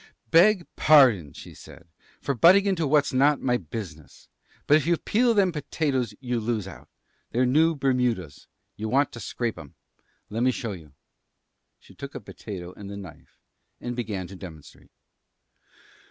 "Beg pardon," she said, "for butting into what's not my business, but if you peel them potatoes you lose out. They're new Bermudas. You want to scrape 'em. Lemme show you." She took a potato and the knife, and began to demonstrate.